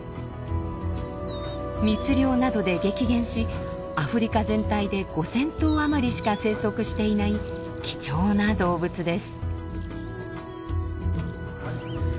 密猟などで激減しアフリカ全体で５，０００頭余りしか生息していない貴重な動物です。